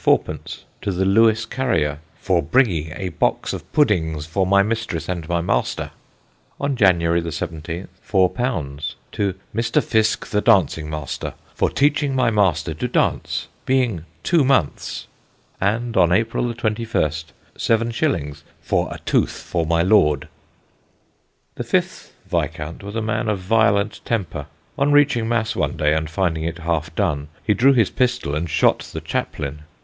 _ to the Lewes carrier "for bringing a box of puddings for my mistress and my master"; on January 17th, _£_4 to "Mr. Fiske the dancing master for teaching my master to dance, being two months"; and on April 21st, seven shillings "for a Tooth for my Lord." The fifth Viscount was a man of violent temper. On reaching Mass one day and finding it half done, he drew his pistol and shot the chaplain.